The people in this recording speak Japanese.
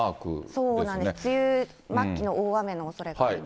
そうなんです、梅雨末期の大雨のおそれがあります。